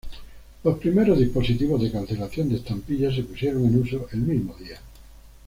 Los primeros dispositivos de cancelación de estampillas se pusieron en uso el mismo día.